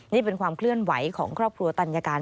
นี่เป็นความเคลื่อนไหวของครอบครัวตัญการ